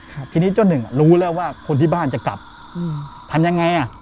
ครับทีนี้เจ้าหนึ่งอ่ะรู้แล้วว่าคนที่บ้านจะกลับอืมทำยังไงอ่ะ